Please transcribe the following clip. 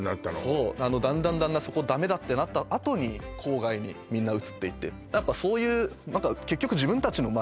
そうだんだんだんだんそこダメだってなったあとに郊外にみんな移っていってそういう結局自分たちの街？